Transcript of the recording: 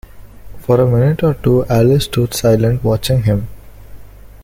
For a minute or two Alice stood silent, watching him.